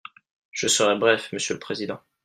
Je serai bref, monsieur le président.